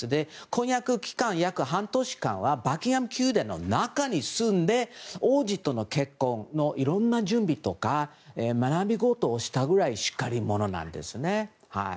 婚約期間、約半年間はバッキンガム宮殿の中に住んで王子との結婚のいろんな準備とか学び事をしたくらいしっかり者なんですね。